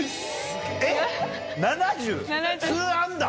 えっ７０⁉２アンダー？